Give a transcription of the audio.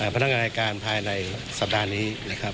พนักงานอาการภายในสัปดาห์นี้